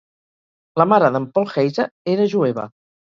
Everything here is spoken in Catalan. La mare d'en Paul Heyse era jueva.